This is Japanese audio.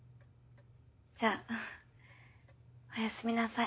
じゃあおやすみなさい。